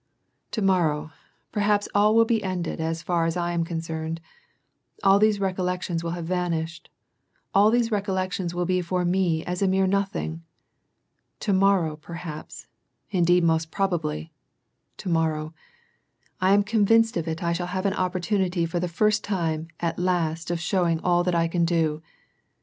To morrow, perhaps all will be ended as far as I am concerned, all these recollections will have vanished, all these recollections will be for me as a mere nothing. To mor row perhaps, indeed most probably, — to morrow — I am con vinced of it I shall have an opportunity for the first time at last of showing all that I can do."